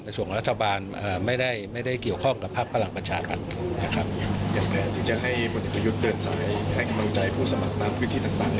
ส่วนของรัฐบาลไม่ได้เกี่ยวข้องกับพลังประชารัฐ